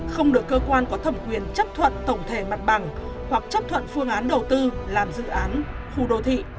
không được cơ quan có thẩm quyền chấp thuận tổng thể mặt bằng hoặc chấp thuận phương án đầu tư làm dự án khu đô thị